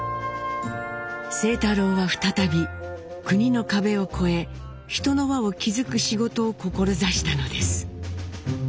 清太郎は再び国の壁を越え人の輪を築く仕事を志したのです。